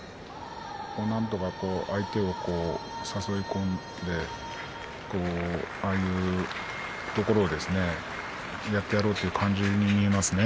なんとか相手を誘い込んでああいうところをやってやろうという感じに見えますね。